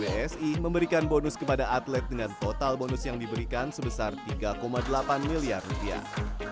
setelah prestasi itu bwsi memberikan bonus kepada atlet dengan total bonus yang diberikan sebesar tiga delapan miliar rupiah